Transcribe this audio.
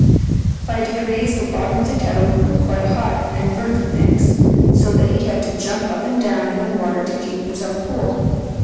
By degrees the bottom of the kettle grew quite hot, and burnt the Nix, so that he had to jump up and down in the water to keep himself cool.